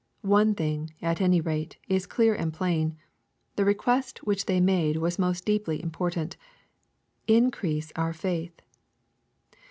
One thing, at any rate, is clear and plain. The request which they made was most deeply important : "Increase our faith."